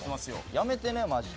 やめてね、マジで。